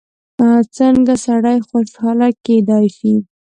څنګه سړی خوشحاله کېدای شي؟